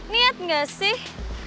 niat gak sih